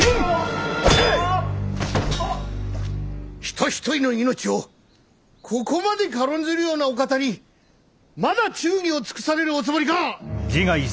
人一人の命をここまで軽んじるようなお方にまだ忠義を尽くされるおつもりか！？